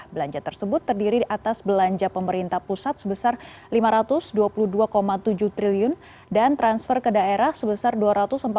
belanja tersebut terdiri atas belanja pemerintah pusat sebesar rp lima ratus dua puluh dua tujuh triliun dan transfer ke daerah sebesar rp dua ratus empat puluh